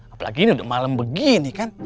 apalagi ini udah malam begini kan